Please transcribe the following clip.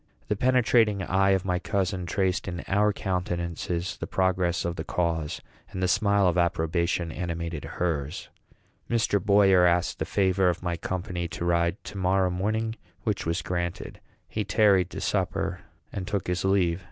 The penetrating eye of my cousin traced in our countenances the progress of the cause, and the smile of approbation animated hers. Mr. Boyer asked the favor of my company to ride to morrow morning; which was granted. He tarried to supper, and took his leave.